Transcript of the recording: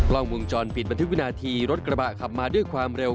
ล่องวงจรปิดบันทึกวินาทีรถกระบะขับมาด้วยความเร็ว